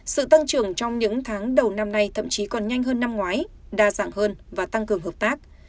sự tăng trưởng trong những tháng đầu năm nay thậm chí còn nhanh hơn năm ngoái đa dạng hơn và tăng cường hợp tác